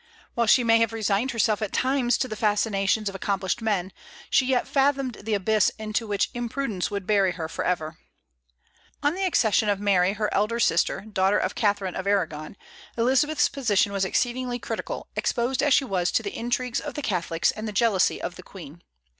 While she may have resigned herself at times to the fascinations of accomplished men, she yet fathomed the abyss into which imprudence would bury her forever. On the accession of Mary, her elder sister, daughter of Catharine of Aragon, Elizabeth's position was exceedingly critical, exposed as she was to the intrigues of the Catholics and the jealousy of the Queen.